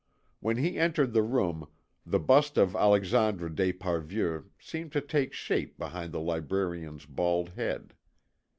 When he entered the room the bust of Alexandre d'Esparvieu seemed to take shape behind the librarian's bald head.